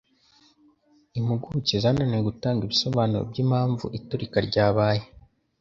Impuguke zananiwe gutanga ibisobanuro byimpamvu iturika ryabaye.